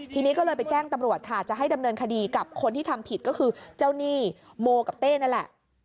ทีนี้ก็เลยไปแจ้งตำรวจค่ะจะให้ดำเนินคดีกับคนที่ทำผิดก็คือเจ้าหนี้โมกับเต้นั่นแหละ